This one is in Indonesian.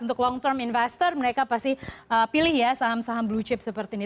untuk long term investor mereka pasti pilih ya saham saham blue chip seperti ini